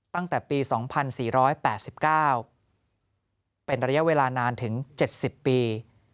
ตั้งแต่ปี๒๔๘๙เป็นระยะเวลานานถึง๗๐ปี